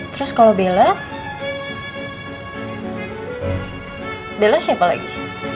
terus kalau bella siapa lagi